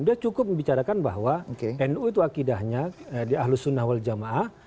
dia cukup membicarakan bahwa nu itu akidahnya di ahlus sunnah wal jamaah